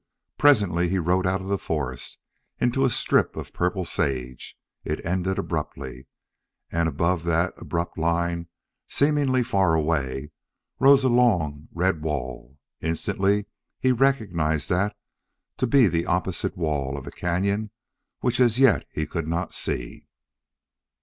Presently he rode out of the forest into a strip of purple sage. It ended abruptly, and above that abrupt line, seemingly far away, rose a long, red wall. Instantly he recognized that to be the opposite wall of a cañon which as yet he could not see.